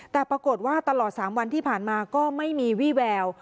แต่ปรากฏว่าตลอด๓วันที่ผ่านมาก็ไม่มีวี่แวว